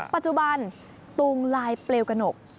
ปัจจุบันตูงลายเปลวกระหนก